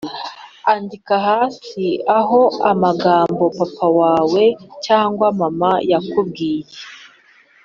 Andika hasi aha amagambo papa wawe cyangwa mama yakubwiye